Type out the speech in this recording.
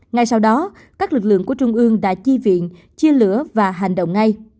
ngay sau đó các lực lượng của trung ương đã chi viện chia lửa và hành động ngay